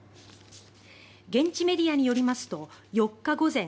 現地メディアによりますと４日午前